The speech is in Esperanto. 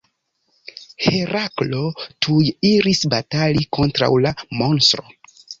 Heraklo tuj iris batali kontraŭ la monstro.